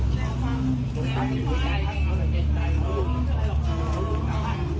อย่าอย่านะล้มลงไปแล้วอะ